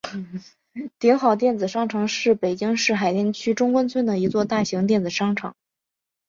鼎好电子商城是北京市海淀区中关村的一座大型电子市场。